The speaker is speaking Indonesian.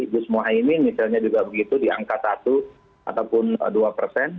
jus moha ini misalnya juga begitu di angka satu ataupun dua persen